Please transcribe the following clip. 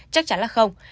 chắc chắn là không